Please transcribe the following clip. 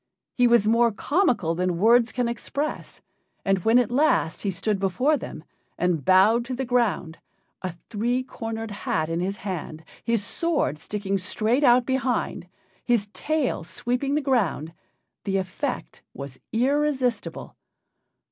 He was more comical than words can express, and when at last he stood before them, and bowed to the ground, a three cornered hat in his hand, his sword sticking straight out behind, his tail sweeping the ground, the effect was irresistible.